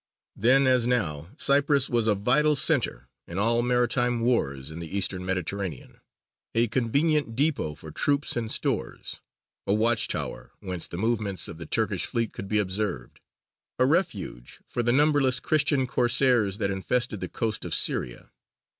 Then, as now, Cyprus was a vital centre in all maritime wars in the Eastern Mediterranean; a convenient depôt for troops and stores; a watch tower whence the movements of the Turkish fleet could be observed; a refuge for the numberless Christian Corsairs that infested the coast of Syria.